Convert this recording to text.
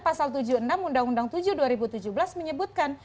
pasal tujuh puluh enam undang undang tujuh dua ribu tujuh belas menyebutkan